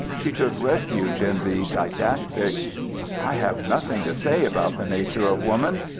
She took refuge in the didactic. "I have nothing to say about the nature of woman.